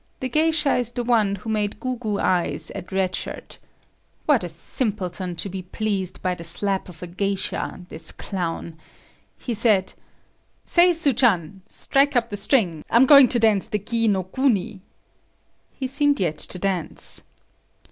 This geisha is the one who made goo goo eyes[J] at Red Shirt. What a simpleton, to be pleased by the slap of a geisha, this Clown. He said: "Say, Su chan, strike up the string. I'm going to dance the Kiino kuni." He seemed yet to dance.